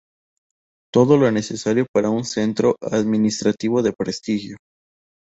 Todo lo necesario para un centro administrativo de prestigio.